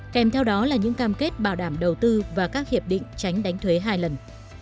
kèm theo đó là những cam kết bảo đảm đầu tư và các hiệp định tránh đánh thuế hai lần